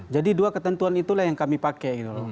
jadi dua ketentuan itulah yang kami pakai